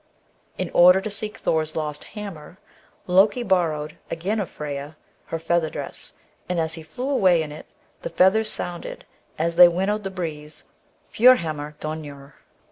In order to seek Thor's lost hammer, Loki bor rowed again of Freyja her feather dress, and as he flew away in it, the feathers sounded as they winnowed the breeze (^a'Srhamr dun^i).